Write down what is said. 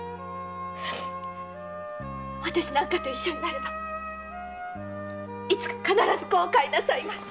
私なんかと一緒になればいつか必ず後悔なさいます。